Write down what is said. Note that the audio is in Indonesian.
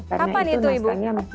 kapan itu ibu